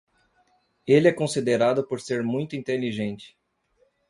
Ele é considerado por ser muito inteligente.